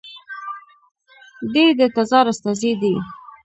دی د تزار استازی دی.